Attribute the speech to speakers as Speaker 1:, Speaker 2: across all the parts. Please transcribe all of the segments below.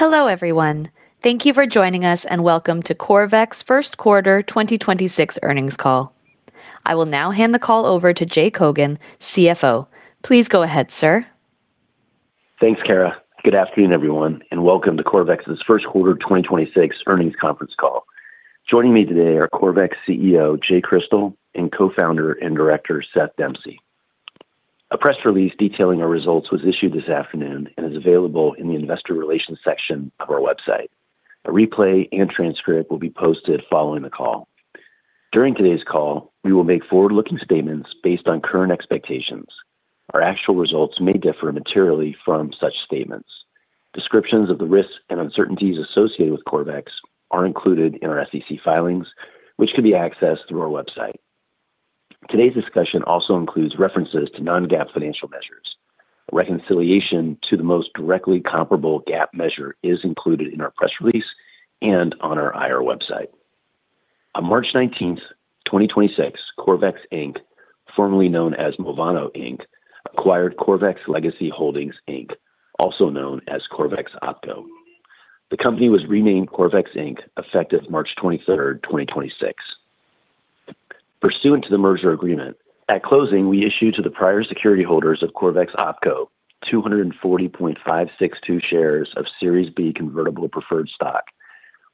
Speaker 1: Hello, everyone. Thank you for joining us, and welcome to Corvex Q1 2026 Earnings Call. I will now hand the call over to J. Cogan, CFO. Please go ahead, sir.
Speaker 2: Thanks, Kara. Good afternoon, everyone, welcome to Corvex's Q1 2026 Earnings Conference Call. Joining me today are Corvex CEO Jay Crystal and co-founder and director Seth Demsey. A press release detailing our results was issued this afternoon and is available in the investor relations section of our website. A replay and transcript will be posted following the call. During today's call, we will make forward-looking statements based on current expectations. Our actual results may differ materially from such statements. Descriptions of the risks and uncertainties associated with Corvex are included in our SEC filings, which could be accessed through our website. Today's discussion also includes references to non-GAAP financial measures. Reconciliation to the most directly comparable GAAP measure is included in our press release and on our IR website. On March 19, 2026, Corvex Inc, formerly known as Movano Inc, acquired Corvex Legacy Holdings Inc, also known as Corvex OpCo. The company was renamed Corvex Inc, effective March 23, 2026. Pursuant to the merger agreement, at closing, we issued to the prior security holders of Corvex OpCo 240.562 shares of Series B convertible preferred stock,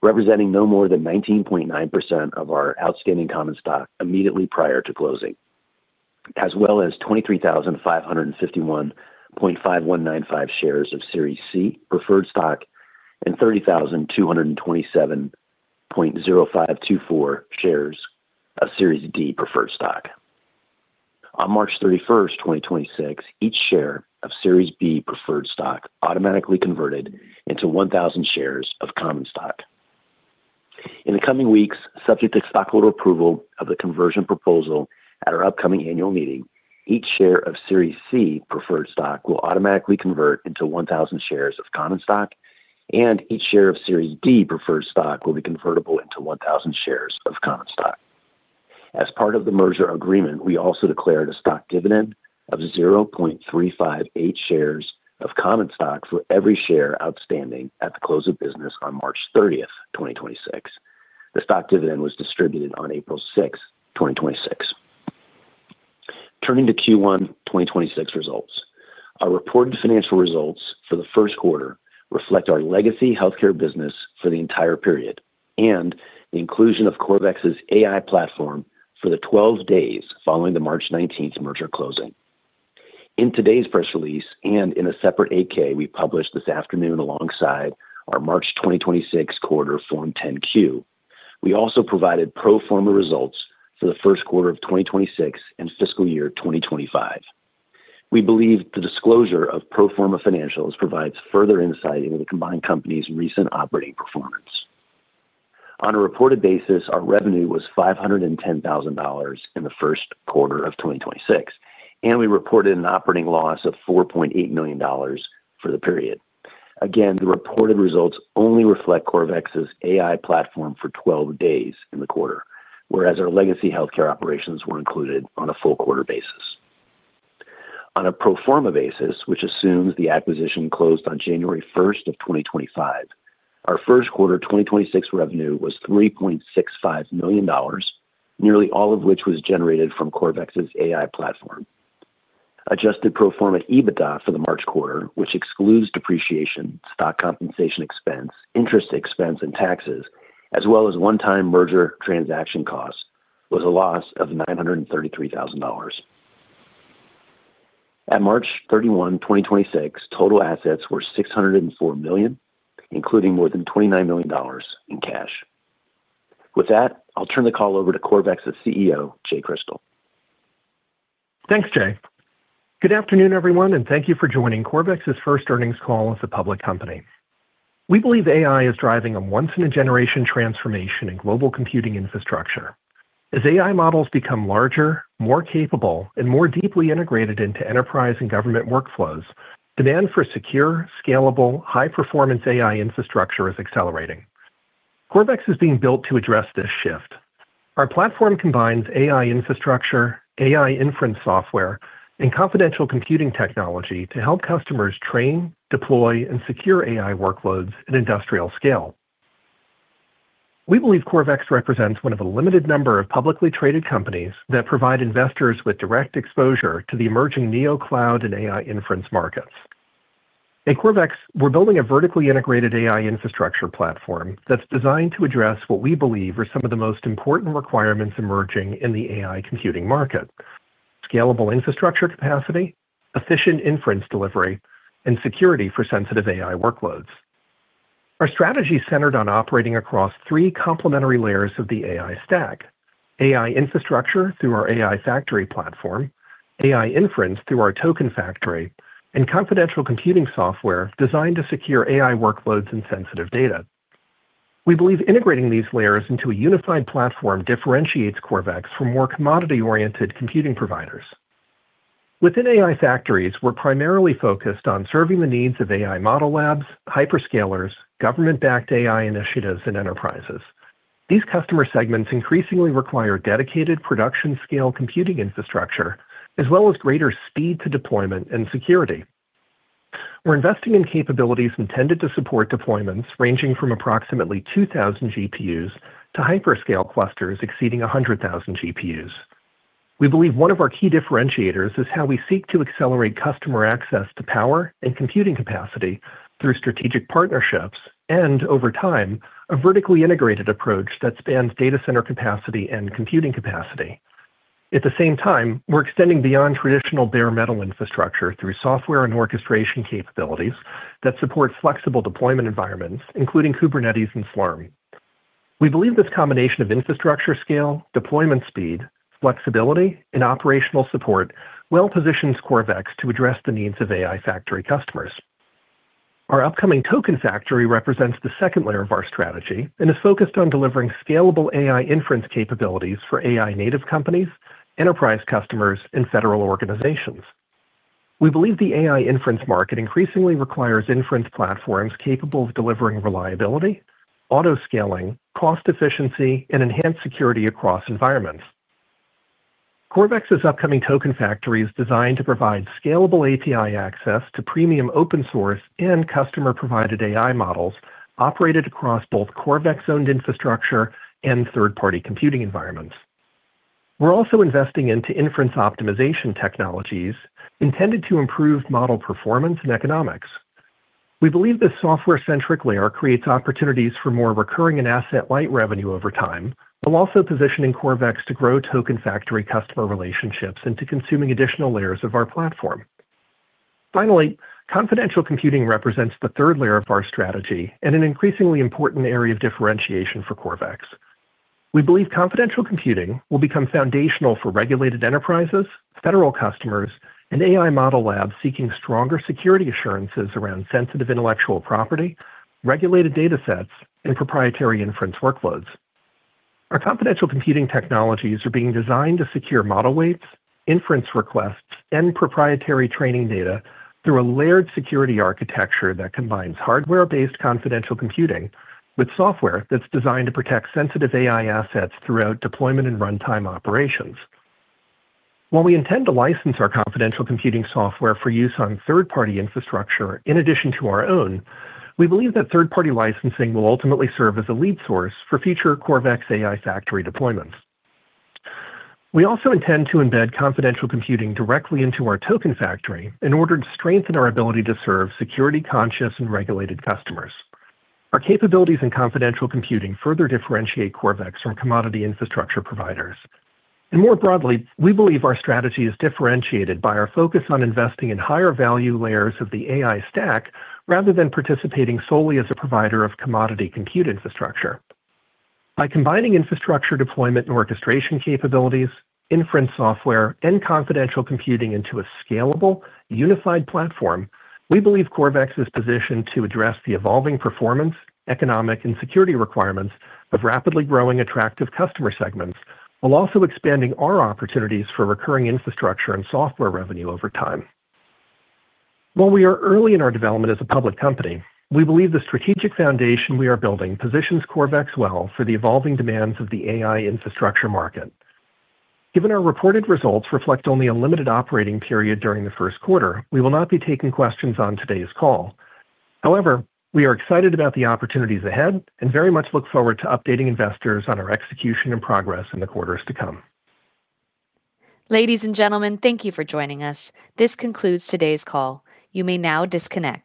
Speaker 2: representing no more than 19.9% of our outstanding common stock immediately prior to closing, as well as 23,551.5195 shares of Series C preferred stock and 30,227.0524 shares of Series D preferred stock. On March 31, 2026, each share of Series B preferred stock automatically converted into 1,000 shares of common stock. In the coming weeks, subject to stockholder approval of the conversion proposal at our upcoming annual meeting, each share of Series C preferred stock will automatically convert into 1,000 shares of common stock, and each share of Series D preferred stock will be convertible into 1,000 shares of common stock. As part of the merger agreement, we also declared a stock dividend of 0.358 shares of common stock for every share outstanding at the close of business on March 30, 2026. The stock dividend was distributed on April 6, 2026. Turning to Q1 2026 results. Our reported financial results for the Q1 reflect our legacy healthcare business for the entire period and the inclusion of Corvex's AI platform for the 12 days following the March 19 merger closing. In today's press release and in a separate 8-K we published this afternoon alongside our March 2026 quarter Form 10-Q, we also provided pro forma results for the Q1 of 2026 and fiscal year 2025. We believe the disclosure of pro forma financials provides further insight into the combined company's recent operating performance. On a reported basis, our revenue was $510,000 in the Q1 of 2026, and we reported an operating loss of $4.8 million for the period. Again, the reported results only reflect Corvex's AI platform for 12 days in the quarter, whereas our legacy healthcare operations were included on a full quarter basis. On a pro forma basis, which assumes the acquisition closed on January 1, 2025, our Q1 2026 revenue was $3.65 million, nearly all of which was generated from Corvex's AI platform. Adjusted pro forma EBITDA for the March quarter, which excludes depreciation, stock compensation expense, interest expense and taxes, as well as one-time merger transaction costs, was a loss of $933,000. At March 31, 2026, total assets were $604 million, including more than $29 million in cash. With that, I'll turn the call over to Corvex's CEO, Jay Crystal.
Speaker 3: Thanks, J. Cogan. Good afternoon, everyone, thank you for joining Corvex's first earnings call as a public company. We believe AI is driving a once-in-a-generation transformation in global computing infrastructure. As AI models become larger, more capable, and more deeply integrated into enterprise and government workflows, demand for secure, scalable, high-performance AI infrastructure is accelerating. Corvex is being built to address this shift. Our platform combines AI infrastructure, AI inference software, and confidential computing technology to help customers train, deploy, and secure AI workloads at industrial scale. We believe Corvex represents one of a limited number of publicly traded companies that provide investors with direct exposure to the emerging Neocloud and AI inference markets. At Corvex, we're building a vertically integrated AI infrastructure platform that's designed to address what we believe are some of the most important requirements emerging in the AI computing market. Scalable infrastructure capacity, efficient inference delivery, and security for sensitive AI workloads. Our strategy is centered on operating across three complementary layers of the AI stack. AI infrastructure through our AI Factory platform, AI inference through our Token Factory, and confidential computing software designed to secure AI workloads and sensitive data. We believe integrating these layers into a unified platform differentiates Corvex from more commodity-oriented computing providers. Within AI Factories, we're primarily focused on serving the needs of AI model labs, hyperscalers, government-backed AI initiatives, and enterprises. These customer segments increasingly require dedicated production scale computing infrastructure, as well as greater speed to deployment and security. We're investing in capabilities intended to support deployments ranging from approximately 2,000 GPUs to hyperscale clusters exceeding 100,000 GPUs. We believe one of our key differentiators is how we seek to accelerate customer access to power and computing capacity through strategic partnerships, and over time, a vertically integrated approach that spans data center capacity and computing capacity. At the same time, we're extending beyond traditional bare metal infrastructure through software and orchestration capabilities that support flexible deployment environments, including Kubernetes and Swarm. We believe this combination of infrastructure scale, deployment speed, flexibility, and operational support well positions Corvex to address the needs of AI Factory customers. Our upcoming Token Factory represents the second layer of our strategy and is focused on delivering scalable AI inference capabilities for AI native companies, enterprise customers, and federal organizations. We believe the AI inference market increasingly requires inference platforms capable of delivering reliability, auto-scaling, cost efficiency, and enhanced security across environments. Corvex's upcoming Token Factory is designed to provide scalable API access to premium open-source and customer-provided AI models operated across both Corvex-owned infrastructure and third-party computing environments. We're also investing into inference optimization technologies intended to improve model performance and economics. We believe this software-centric layer creates opportunities for more recurring and asset-light revenue over time, while also positioning Corvex to grow Token Factory customer relationships into consuming additional layers of our platform. Finally, confidential computing represents the third layer of our strategy and an increasingly important area of differentiation for Corvex. We believe confidential computing will become foundational for regulated enterprises, federal customers, and AI model labs seeking stronger security assurances around sensitive intellectual property, regulated datasets, and proprietary inference workloads. Our confidential computing technologies are being designed to secure model weights, inference requests, and proprietary training data through a layered security architecture that combines hardware-based confidential computing with software that's designed to protect sensitive AI assets throughout deployment and runtime operations. While we intend to license our confidential computing software for use on third-party infrastructure in addition to our own, we believe that third-party licensing will ultimately serve as a lead source for future Corvex AI Factory deployments. We also intend to embed confidential computing directly into our Token Factory in order to strengthen our ability to serve security-conscious and regulated customers. Our capabilities in confidential computing further differentiate Corvex from commodity infrastructure providers. More broadly, we believe our strategy is differentiated by our focus on investing in higher value layers of the AI stack rather than participating solely as a provider of commodity compute infrastructure. By combining infrastructure deployment and orchestration capabilities, inference software, and confidential computing into a scalable, unified platform, we believe Corvex is positioned to address the evolving performance, economic, and security requirements of rapidly growing attractive customer segments while also expanding our opportunities for recurring infrastructure and software revenue over time. While we are early in our development as a public company, we believe the strategic foundation we are building positions Corvex well for the evolving demands of the AI infrastructure market. Given our reported results reflect only a limited operating period during the Q1, we will not be taking questions on today's call. However, we are excited about the opportunities ahead and very much look forward to updating investors on our execution and progress in the quarters to come.
Speaker 1: Ladies and gentlemen, thank you for joining us. This concludes today's call. You may now disconnect.